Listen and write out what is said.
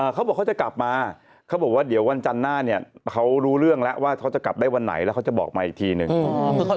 เขาบอกเขาจะกลับมาเขาบอกว่าเดี๋ยววันจันทร์หน้าเนี่ยเขารู้เรื่องแล้วว่าเขาจะกลับได้วันไหนแล้วเขาจะบอกมาอีกทีหนึ่ง